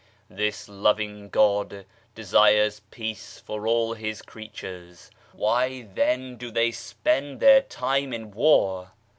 This loving God desires peace for all His creatures why, then, do they spend their time in war